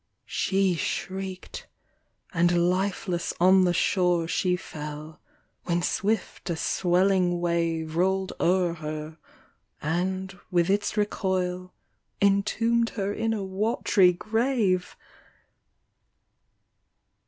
She shriek'd, and lifeless on the shore She fell ; when swift a swelling wave Roll'd o'er her, and, with its recoil, Entomb' d her in a wat'ry grave